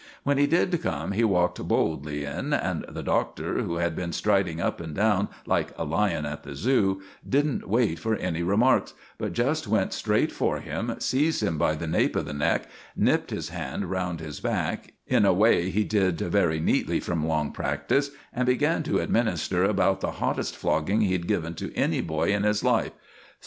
When he did come he walked boldly in; and the Doctor, who had been striding up and down like a lion at the Zoo, didn't wait for any remarks, but just went straight for him, seized him by the nape of the neck, nipped his hand round his back in a way he did very neatly from long practice and began to administer about the hottest flogging he'd given to any boy in his life.